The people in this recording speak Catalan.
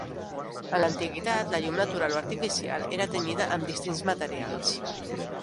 En l'antiguitat la llum natural o artificial era tenyida amb distints materials.